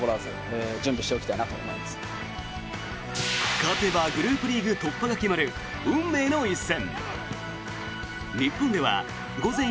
勝てばグループリーグ突破が決まる運命の一戦。